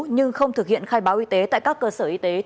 nhưng không thực hiện khai báo y tế tại các cơ sở y tế theo quy định